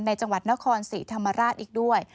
จังหวัดนครศรีธรรมราชอีกด้วย